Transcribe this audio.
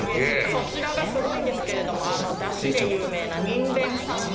そちらがすごいんですけれどもだしで有名なにんべんさんありますね。